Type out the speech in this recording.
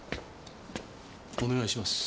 お願いします。